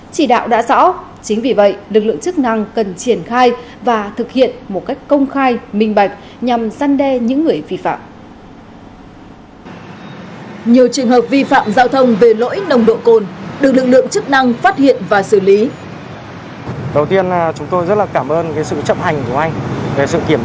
chỉ đạo đã rõ chính vì vậy lực lượng chức năng cần triển khai và thực hiện một cách công khai minh bạch nhằm săn đe những người vi phạm